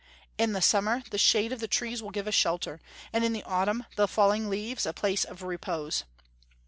In the summer the shade of the trees will give us shelter, and in the autumn the falling leaves a place of repose.